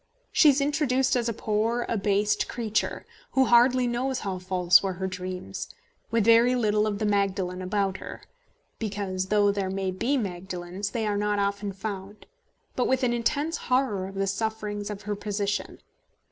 She is introduced as a poor abased creature, who hardly knows how false were her dreams, with very little of the Magdalene about her because though there may be Magdalenes they are not often found but with an intense horror of the sufferings of her position.